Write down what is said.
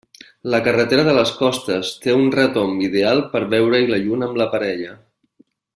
La carretera de les Costes té un retomb ideal per veure-hi la lluna amb la parella.